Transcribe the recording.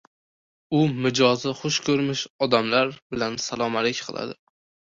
U mizoji xush ko‘rmish odamlar bilan salom-alik qiladi.